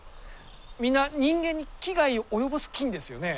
みんな人間に危害を及ぼす菌ですよね。